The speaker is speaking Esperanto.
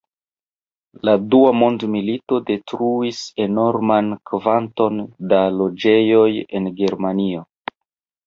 La Dua mondmilito detruis enorman kvanton da loĝejoj en Germanio.